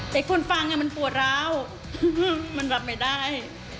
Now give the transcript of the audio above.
แต่คนฟังมันปวดร้าวมันรับไม่ได้